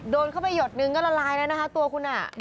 โดนเข้าไปหยดนึงก็ละลายแล้วนะคะตัวคุณอ่ะ